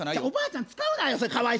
おばあちゃん使うなよ。